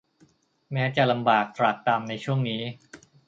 แม้จะลำบากตรากตรำในช่วงนี้